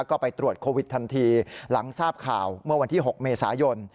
ก็ไปตรวจโควิดทันทีหลังทราบข่าวเมื่อวันที่๖เมษายน